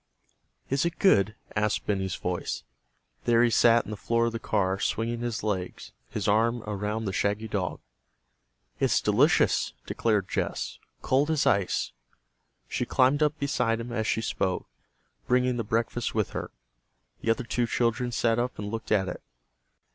"Is it good?" asked Benny's voice. There he sat in the door of the car, swinging his legs, his arm around the shaggy dog. "It's delicious!" declared Jess. "Cold as ice." She climbed up beside him as she spoke, bringing the breakfast with her. The other two children sat up and looked at it.